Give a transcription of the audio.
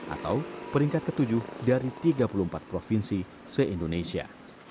atau peringkat ke tujuh dari tiga puluh empat provinsi se indonesia